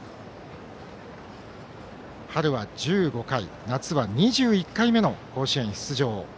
春は１５回、夏は２１回目の甲子園出場。